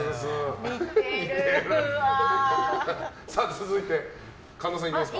続いて、神田さんいきますか。